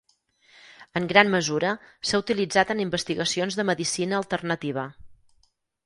En gran mesura, s'ha utilitzat en investigacions de medicina alternativa.